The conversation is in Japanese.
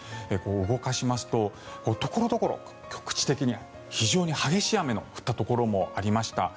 動かしますと、所々局地的に非常に激しい雨の降ったところもありました。